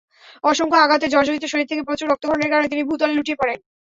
অসংখ্য আঘাতে জর্জরিত শরীর থেকে প্রচুর রক্তক্ষরণের কারণে তিনি ভূতলে লুটিয়ে পড়েন।